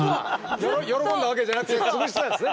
喜んだわけじゃなくて潰してたんですね